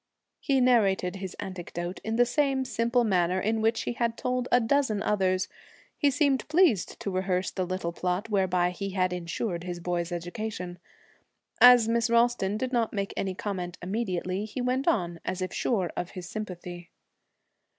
He narrated this anecdote in the same simple manner in which he had told a dozen others. He seemed pleased to rehearse the little plot whereby he had insured his boy's education. As Miss Ralston did not make any comment immediately, he went on, as if sure of her sympathy.